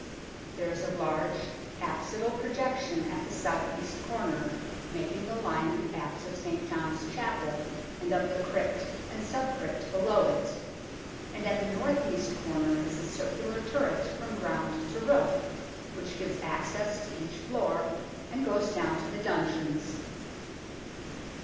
There is a large apsidal projection at the south east corner, making the line of the apse of St. John's Chapel and of the crypt and sub crypt below it, and at the north east corner is a circular turret from ground to roof, which gives access to each floor and goes down to the dungeons.